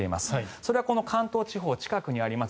それはこの関東地方近くにあります